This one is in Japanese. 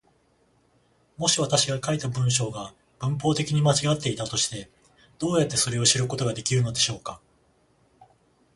もし私が書いた文章が文法的に間違っていたとして、どうやってそれを知ることができるのでしょうか。